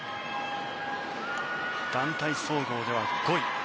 団体総合では５位。